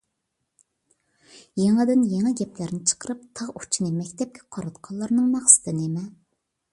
يېڭىدىن يېڭى گەپلەرنى چىقىرىپ، تىغ ئۇچىنى مەكتەپكە قاراتقانلارنىڭ مەقسىتى نېمە؟